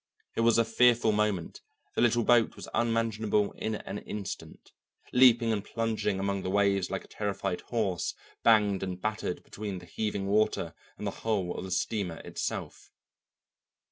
It was a fearful moment; the little boat was unmanageable in an instant, leaping and plunging among the waves like a terrified horse, banged and battered between the heaving water and the hull of the steamer itself.